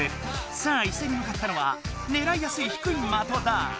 さあいっせいにむかったのはねらいやすいひくい的だ！